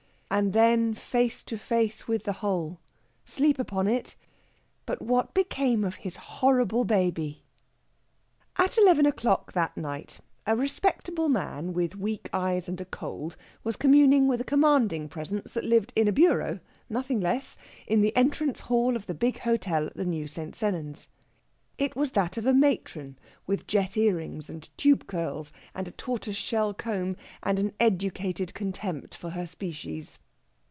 AND THEN FACE TO FACE WITH THE WHOLE. SLEEP UPON IT! BUT WHAT BECAME OF HIS HORRIBLE BABY? At eleven o'clock that night a respectable man with weak eyes and a cold was communing with a commanding Presence that lived in a bureau nothing less! in the entrance hall of the big hotel at the new St. Sennans. It was that of a matron with jet earrings and tube curls and a tortoise shell comb, and an educated contempt for her species.